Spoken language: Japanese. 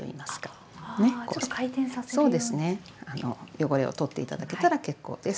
汚れを取って頂けたら結構です。